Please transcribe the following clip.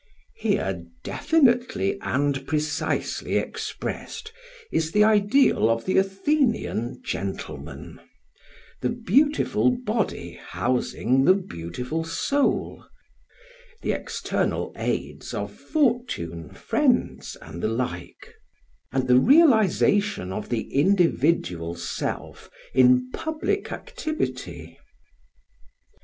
Here definitely and precisely expressed is the ideal of the Athenian gentleman the beautiful body housing the beautiful soul, the external aids of fortune, friends, and the like, and the realisation of the individual self in public activity.